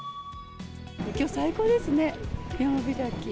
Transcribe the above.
きょう最高ですね、山開き。